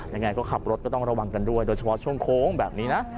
ยังไงก็ขับรถก็ต้องระวังกันด้วยโดยเฉพาะช่วงโค้งแบบนี้นะ